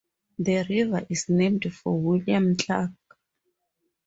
The river is named for William Clark.